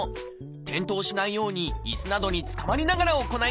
転倒しないようにいすなどにつかまりながら行いましょう。